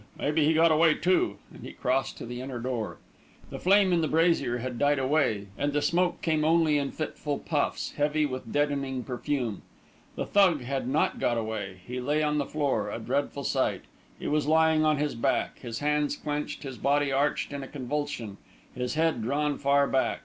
"Maybe he got away, too," and he crossed to the inner door. The flame in the brazier had died away, and the smoke came only in fitful puffs, heavy with deadening perfume. The Thug had not got away. He lay on the floor a dreadful sight. He was lying on his back, his hands clenched, his body arched in a convulsion, his head drawn far back.